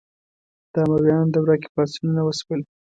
د امویانو دوره کې پاڅونونه وشول